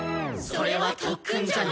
それは特訓じゃない！